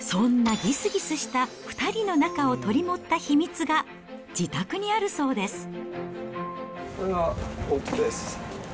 そんなぎすぎすした２人の仲を取り持った秘密が、自宅にあるこれがおうちです。